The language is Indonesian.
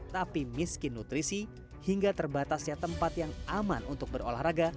tapi miskin nutrisi hingga terbatasnya tempat yang aman untuk berolahraga